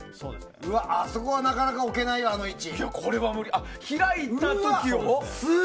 あそこは、なかなか置けないよあの位置。